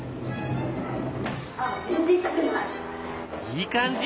いい感じ。